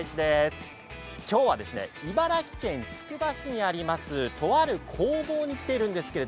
今日は茨城県つくば市にありますとある工房に来ています。